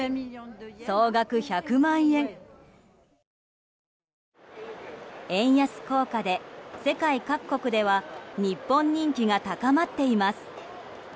円安効果で世界各国では日本人気が高まっています。